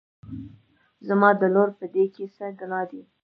زما د لور په دې کې څه ګناه ده